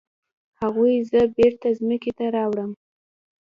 هغوی زه بیرته ځمکې ته راوړم.